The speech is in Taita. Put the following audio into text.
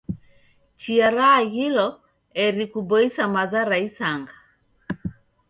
Chia raaghilo eri kuboisa maza ra isanga.